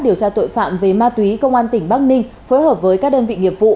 điều tra tội phạm về ma túy công an tỉnh bắc ninh phối hợp với các đơn vị nghiệp vụ